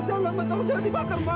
jangan dibakar ma